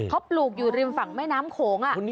เขาปลูกอยู่ริมฝั่งแม่น้ำโขง